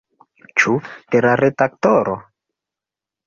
Ĉu de la redaktoro?